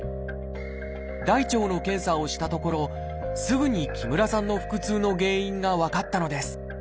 大腸の検査をしたところすぐに木村さんの腹痛の原因が分かったのです。